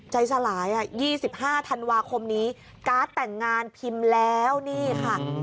ใจสลาย๒๕ธันวาคมนี้การ์ดแต่งงานพิมพ์แล้วนี่ค่ะ